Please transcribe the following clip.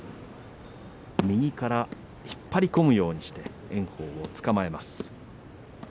右から引っ張り込むようにして炎鵬をつかまえます。